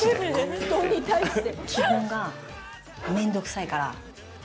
布団に対して。